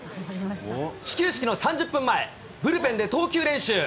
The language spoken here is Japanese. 始球式の３０分前、ブルペンで投球練習。